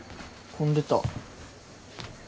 混んでた。